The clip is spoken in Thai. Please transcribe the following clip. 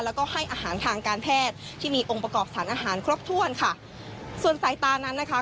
แล้วก็ให้อาหารทางการแพทย์ที่มีองค์ประกอบสารอาหารครบถ้วนค่ะส่วนสายตานั้นนะคะ